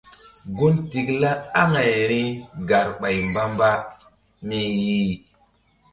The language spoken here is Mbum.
Gun tikla aŋayri garɓay mbamba mi yih.